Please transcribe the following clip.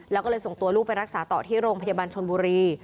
แล้วก็เลยส่งตัวลูกไปรักษาต่อที่โรงพยาบาลชนบุรี